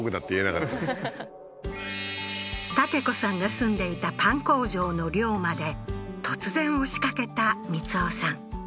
はったけ子さんが住んでいたパン工場の寮まで突然押しかけた光夫さん